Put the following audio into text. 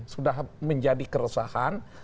sudah menjadi keresahan